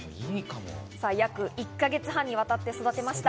約１か月半にわたって育てました。